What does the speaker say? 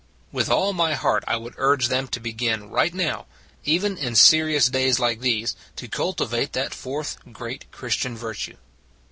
With all my heart I would urge them to begin right now even in serious days like these to cultivate that fourth great Christian virtue.